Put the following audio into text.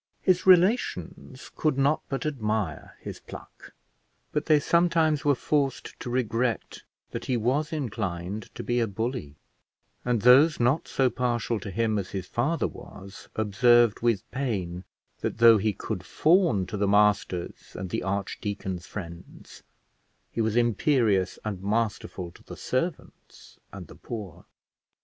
His relations could not but admire his pluck, but they sometimes were forced to regret that he was inclined to be a bully; and those not so partial to him as his father was, observed with pain that, though he could fawn to the masters and the archdeacon's friends, he was imperious and masterful to the servants and the poor.